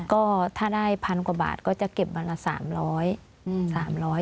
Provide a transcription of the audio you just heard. ก็ถ้าได้พันกว่าบาทก็จะเก็บวันละสามร้อยสามร้อย